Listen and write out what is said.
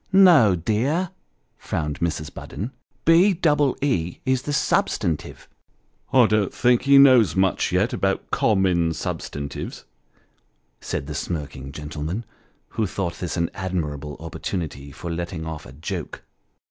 " No, dear," frowned Mrs. Budden ;" B double E is the substantive." " I don't think he knows much yet about common substantives," said the smirking gentleman, who thought this an admirable opportunity for letting off a joke.